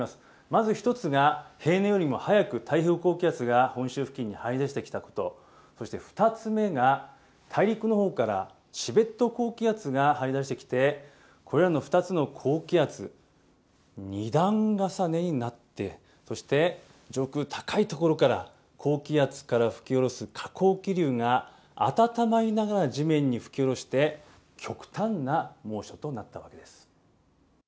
まず１つが、平年よりも早く太平洋高気圧が本州付近に張り出してきたこと、そして２つ目が、大陸のほうからチベット高気圧が張り出してきて、これらの２つの高気圧、２段重ねになって、そして上空高い所から、高気圧から吹き降ろす下降気流が暖まりながら地面に吹き降ろして、極端な猛暑となったわけです。